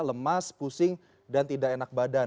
lemas pusing dan tidak enak badan